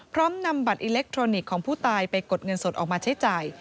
พร้อมนำบัตรอิเล็กทรอนิกส์ของผู้ตายไปกดเงินสดออกมาใช้จ่าย